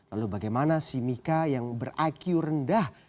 lalu bagaimana si mika yang ber iq rendah